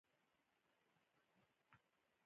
د نورو واقعیتونو تر څنګ محدود ځای لري.